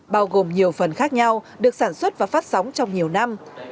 bao gồm nhiều phần khác nhau được sản xuất và phát sóng trong nhiều năm